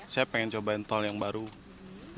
saya ingin mencoba tol yang baru beroperasi